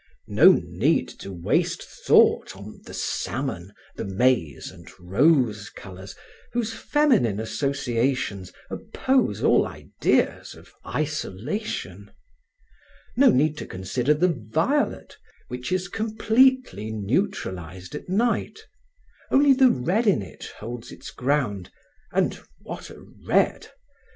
No need to waste thought on the salmon, the maize and rose colors whose feminine associations oppose all ideas of isolation! No need to consider the violet which is completely neutralized at night; only the red in it holds its ground and what a red!